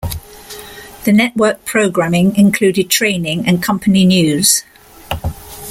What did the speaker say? The network programming included training and company news.